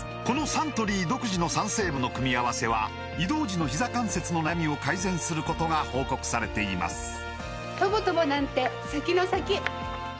このサントリー独自の３成分の組み合わせは移動時のひざ関節の悩みを改善することが報告されています